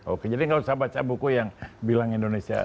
oke jadi nggak usah baca buku yang bilang indonesia